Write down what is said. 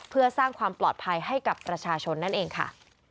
เพื่อสร้างความปลอดภัยให้กับประชาชนนั่นเองค่ะ